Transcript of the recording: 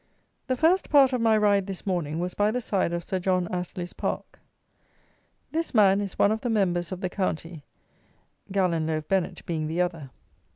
The first part of my ride this morning was by the side of Sir John Astley's park. This man is one of the members of the county (gallon loaf Bennet being the other).